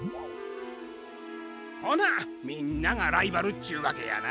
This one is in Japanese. ほなみんながライバルっちゅうわけやな。